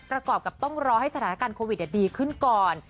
ประกอบกับต้องรอให้สถานการณ์โควิดดีขึ้นก่อน